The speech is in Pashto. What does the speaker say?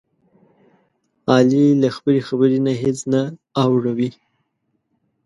علي له خپلې خبرې نه هېڅ نه اوړوي.